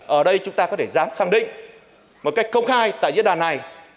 ở đây chúng ta có thể dám khẳng định một cách công khai tại diễn đàn này